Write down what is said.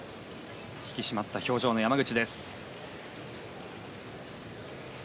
引き締まった表情の山口です。